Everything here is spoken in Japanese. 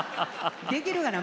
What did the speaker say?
できるがな。